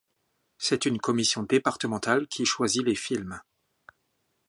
C'est une commission départementale qui choisit les films.